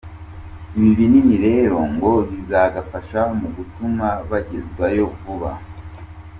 Ibi binini rero ngo bikazabafasha mu gutuma bagezwayo vuba.